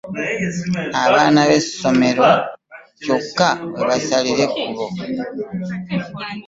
Abaana b'essomero kyokka we basalira ekkubo.